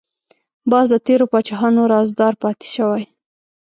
باز د تیرو پاچاهانو رازدار پاتې شوی